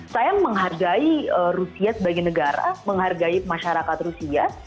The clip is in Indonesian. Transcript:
saya menghargai rusia sebagai negara menghargai masyarakat rusia